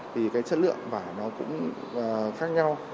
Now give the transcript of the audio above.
thì cái chất lượng vải nó cũng khác nhau